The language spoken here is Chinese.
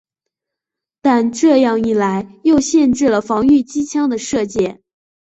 但这样一来又限制了防御机枪的射界。